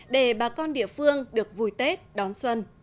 để bà con địa phương được vui tết đón xuân